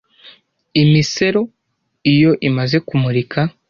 imesero iyo imaze kumurika